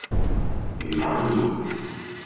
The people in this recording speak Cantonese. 魚蛋麪